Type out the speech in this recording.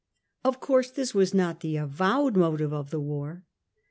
Of course this was not the avowed motive of the war.